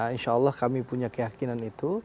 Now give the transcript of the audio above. insya allah kami punya keyakinan itu